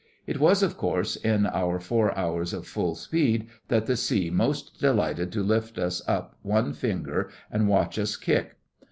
It was, of course, in our four hours of full speed that the sea most delighted to lift us up on one finger and watch us kick.